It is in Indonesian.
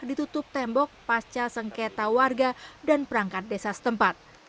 ditutup tembok pasca sengketa warga dan perangkat desa setempat